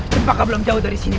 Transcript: cempaka belum jauh dari sini